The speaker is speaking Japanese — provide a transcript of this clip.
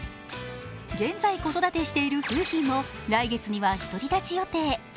現在、子育てしている楓浜も来月には独り立ち予定。